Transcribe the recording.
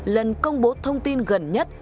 lần công bố thông tin gần nhất